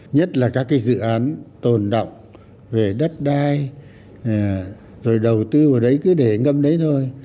nhất là các cái dự án tồn động về đất đai rồi đầu tư vào đấy cứ để ngâm đấy thôi